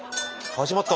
始まった。